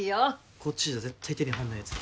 こっちじゃ絶対手に入んないやつだ